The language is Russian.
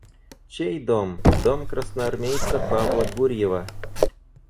Чей дом? – Дом красноармейца Павла Гурьева.